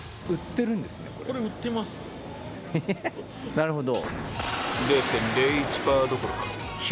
なるほど。